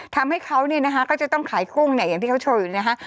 ทำให้เขาเนี่ยนะคะก็จะต้องขายกุ้งเนี่ยอย่างที่เขาโชว์อยู่นะฮะ